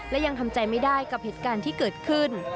และยังทำใจไม่ได้กับเหตุการณ์ที่เกิดขึ้น